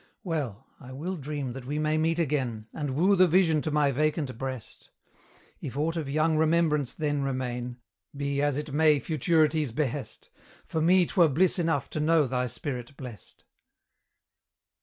Well I will dream that we may meet again, And woo the vision to my vacant breast: If aught of young Remembrance then remain, Be as it may Futurity's behest, For me 'twere bliss enough to know thy spirit blest!